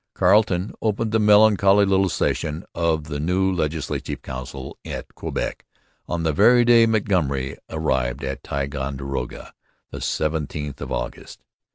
Carleton opened the melancholy little session of the new Legislative Council at Quebec on the very day Montgomery arrived at Ticonderoga the 17th of August.